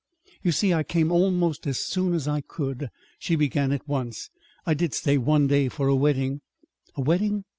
"You see, I came almost as soon as I could," she began at once. "I did stay one day for a wedding." "A wedding?"